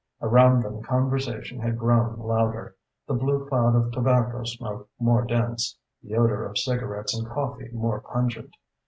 Around them conversation had grown louder, the blue cloud of tobacco smoke more dense, the odour of cigarettes and coffee more pungent.